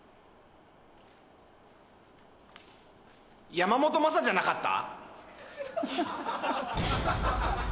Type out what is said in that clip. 山本昌じゃなかった？